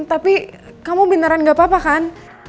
tapi kamu bintaran gak apa apa kan